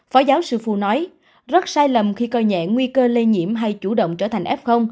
phó giáo sư phù nói rất sai lầm khi coi nhẹ nguy cơ lây nhiễm hay chủ động trở thành f